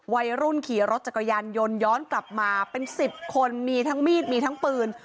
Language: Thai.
วัยรุ่นขี่รถจักรยานยนต์ย้อนกลับมาเป็น๑๐คนมีทั้งมีดมีทั้งปืน